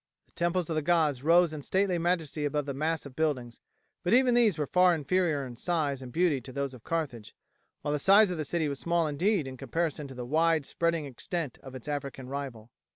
The temples of the gods rose in stately majesty above the mass of buildings, but even these were far inferior in size and beauty to those of Carthage, while the size of the city was small indeed in comparison to the wide spreading extent of its African rival.